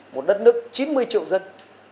một đất nước chín mươi triệu dân